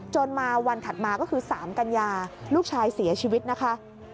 มาวันถัดมาก็คือ๓กันยาลูกชายเสียชีวิตนะคะ